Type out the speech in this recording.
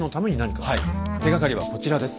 手がかりはこちらです。